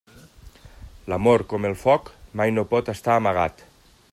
L'amor, com el foc, mai no pot estar amagat.